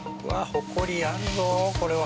ホコリあるぞこれは。